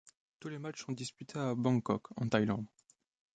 Tous les matchs sont disputés à Bangkok, en Thaïlande.